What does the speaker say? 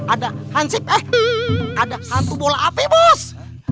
ada hansip eh ada hantu bola api bos